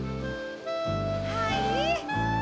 はい。